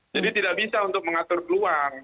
jadi tidak bisa untuk mengatur peluang